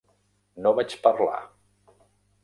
No vaig parlar.